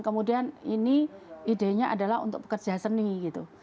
kemudian ini idenya adalah untuk pekerja seni gitu